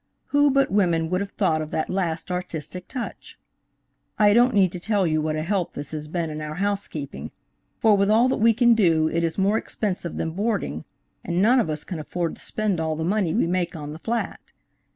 Who but a women would have thought of that last artistic touch? I don't need to tell you what a help this has been in our housekeeping, for with all that we can do, it is more expensive than boarding, and none of us can afford to spend all the money we make on the flat.